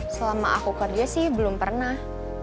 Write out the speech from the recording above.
selama aku kerja sih belum pernah